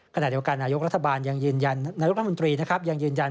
ขนาดเดียวกันนายกลุ่มนตรียังยืนยัน